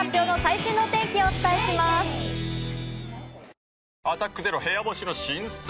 ぜひ世界一を「アタックＺＥＲＯ部屋干し」の新作。